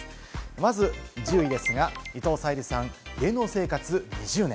まず１０位ですが、伊藤沙莉さん、芸能生活２０年。